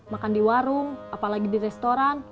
makan di warung apalagi di restoran